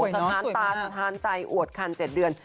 สถานตาสะท้านใจอวดคัน๗เดือน